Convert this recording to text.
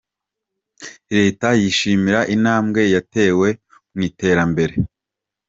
Leta yishimira intambwe yatewe mu iterambere